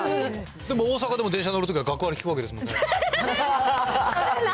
でも大阪でも、電車乗るときは学割利くわけですもんね。